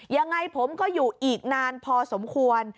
ยังไงผมก็อยู่อีกนานพอสมควร